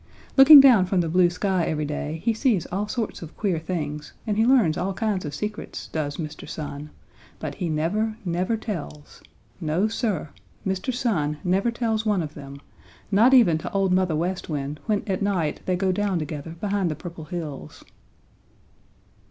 Looking down from the blue sky every day he sees all sorts of queer things and he learns all kinds of secrets, does Mr. Sun, but he never, never tells. No, Sir! Mr. Sun never tells one of them, not even to Old Mother West Wind when at night they go down together behind the Purple Hills.